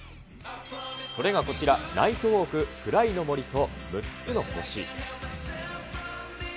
それがこちら、ナイトウォーク・クライの森と６つの星。